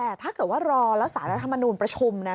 แต่ถ้าเกิดว่ารอแล้วสามรัฐธรรมนุนประชุมนะ